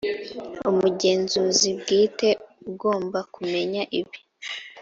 umugenzuzi bwite agomba kumenya ibi